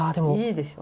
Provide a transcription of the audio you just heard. いいでしょ。